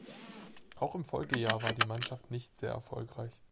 Auch im Folgejahr war die Mannschaft nicht sehr erfolgreich.